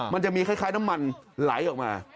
มันจะมีคล้ายน้ำมันไหลออกมา